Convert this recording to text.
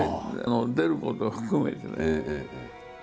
出ることを含めてね。